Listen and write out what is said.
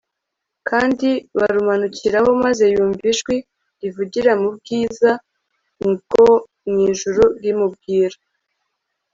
kandi barumanukiraho maze yumvijwi rivugira mu bgiza bgo mw ijuru rimubgir